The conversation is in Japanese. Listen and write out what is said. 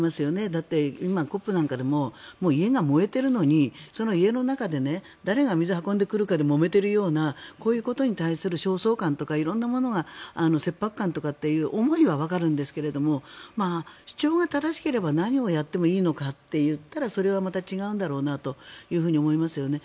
だって、今、ＣＯＰなんかでも家が燃えているのにその家の中で誰が水を運んでくるかでもめているようなこういうことに対する焦燥感とか色んなものが切迫感とかという思いはわかるんですけど主張が正しければ何をやってもいいのかといえばそれはまた違うんだろうなというふうに思いますよね。